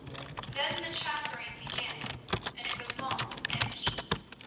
Then the chaffering began, and it was long and keen.